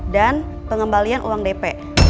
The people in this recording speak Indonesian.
dan pengembalian uang dp